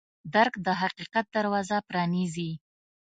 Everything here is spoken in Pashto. درک د حقیقت دروازه پرانیزي.